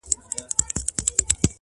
تل زبون دي په وطن کي دښمنان وي!!